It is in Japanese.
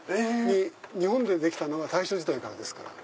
日本でできたのは大正時代からですから。